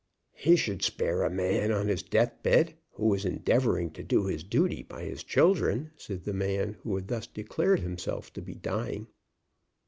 "He should spare a man on his death bed, who is endeavoring to do his duty by his children," said the man who thus declared himself to be dying.